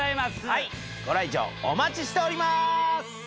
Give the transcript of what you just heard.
はいご来場お待ちしておりまーす